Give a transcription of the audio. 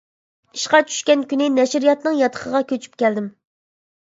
ئىشقا چۈشكەن كۈنى نەشرىياتىنىڭ ياتىقىغا كۆچۈپ كەلدىم.